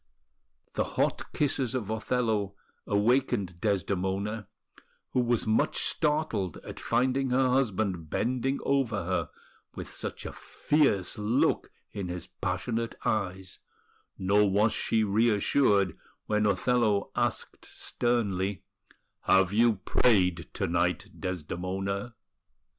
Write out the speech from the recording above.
The hot kisses of Othello awakened Desdemona, who was much startled at finding her husband bending over her with such a fierce look in his passionate eyes; nor was she reassured when Othello asked sternly: "Have you prayed to night, Desdemona?"